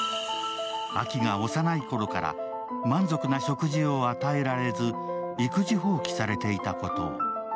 アキが幼いころから満足な食事を与えられず育児放棄されていたことを。